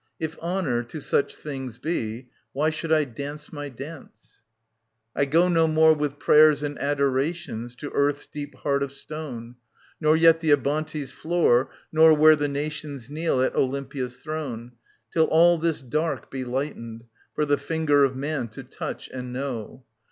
If honour to such things be, Why should I dance my dance ? l^/intistrophi I go no more with prayers and adorations To Earth's deep Heart of Stone, Nor yet the Abantes' floor, nor where the nations Kneel at Olympiads throne, Till all this dark be lightened, for the finger Of man to touch and know.